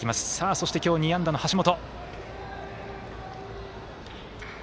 そして、今日２安打の橋本。